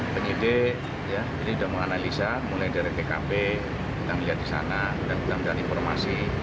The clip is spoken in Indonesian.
penyidik ini sudah menganalisa mulai dari tkp kita melihat di sana dan kita melihat informasi